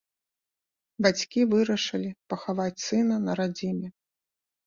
Бацькі вырашылі пахаваць сына на радзіме.